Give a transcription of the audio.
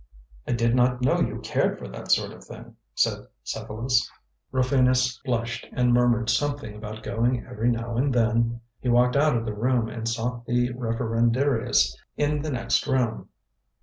"I did not know you cared for that sort of thing," said Cephalus. Rufinus blushed and murmured something about going every now and then. He walked out of the room, and sought the Referendarius in the next room.